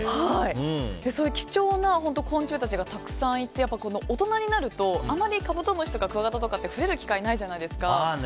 そういう貴重な昆虫たちがたくさんいて大人になると、あまりカブトムシとかクワガタって触れる機会がないじゃないですか。